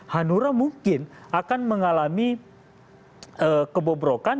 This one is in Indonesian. hanura mungkin akan mengalami kebobrokan